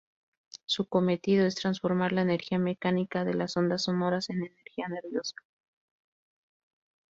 Su cometido es transformar la energía mecánica de las ondas sonoras en energía nerviosa.